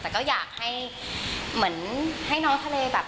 แต่ก็อยากให้เหมือนให้น้องทะเลแบบ